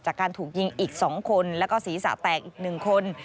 จากการถูกยิงอีกสองคนแล้วก็ศรีสะแตกอีกหนึ่งคน